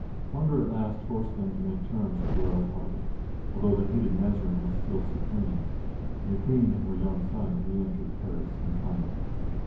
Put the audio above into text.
Hunger at last forced them to make terms with the Royal party, although the hated Mazarin was still supreme, and the Queen and her young son re entered Paris in triumph.